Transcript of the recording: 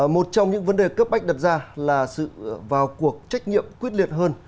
một trong những vấn đề cấp bách đặt ra là sự vào cuộc trách nhiệm quyết liệt hơn